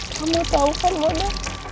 kamu tau kan mona